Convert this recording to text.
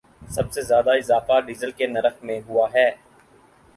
سب سے زیادہ اضافہ ڈیزل کے نرخ میں ہوا ہے